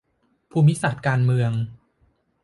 ภูมิศาสตร์การเมือง